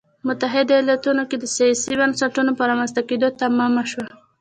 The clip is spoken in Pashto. متحده ایالتونو کې د سیاسي بنسټونو په رامنځته کېدو تمامه شوه.